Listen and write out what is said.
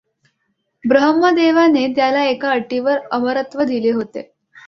ब्रह्मदेवाने त्याला एका अटीवर अमरत्व दिले होते.